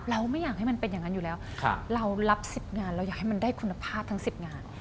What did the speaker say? เราไม่อยากให้มันเป็นอย่างนั้นอยู่แล้วเรารับ๑๐งานเราอยากให้มันได้คุณภาพทั้ง๑๐งาน